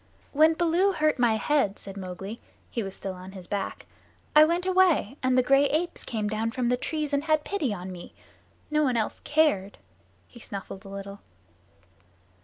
"When Baloo hurt my head," said Mowgli (he was still on his back), "I went away, and the gray apes came down from the trees and had pity on me. No one else cared." He snuffled a little.